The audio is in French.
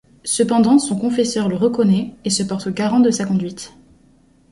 Cependant son confesseur le reconnaît et se porte garant de sa conduite.